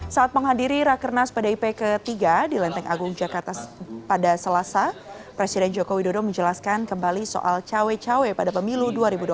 saat penghadiri rakernas pada ip ketiga di lenteng agung jakarta pada selasa presiden jokowi dodo menjelaskan kembali soal cawe cawe pada pemilu dua ribu dua puluh empat